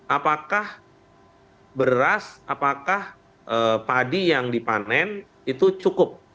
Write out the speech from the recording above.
apakah beras apakah padi yang dipanen itu cukup